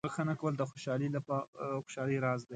• بخښنه کول د خوشحالۍ راز دی.